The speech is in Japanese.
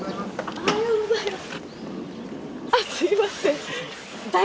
おはようございます。